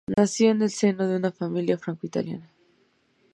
Nació en el seno de una familia franco-italiana.